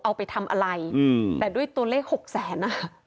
เอาไปทำอะไรแต่ด้วยตัวเลขหกแสนอ่ะ